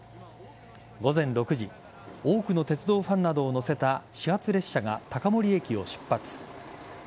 午前６時多くの鉄道ファンなどを乗せた始発列車が高森駅を出発。